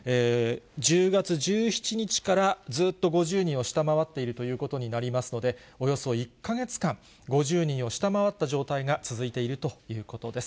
１０月１７日からずっと５０人を下回っているということになりますので、およそ１か月間、５０人を下回った状態が続いているということです。